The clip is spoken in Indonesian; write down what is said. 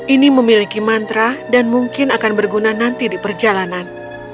ini memiliki mantra dan mungkin akan berguna nanti di perjalanan